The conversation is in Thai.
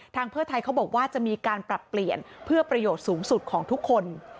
เพื่อไทยเขาบอกว่าจะมีการปรับเปลี่ยนเพื่อประโยชน์สูงสุดของทุกคน